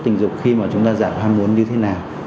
tình dục khi mà chúng ta giảm ham muốn như thế nào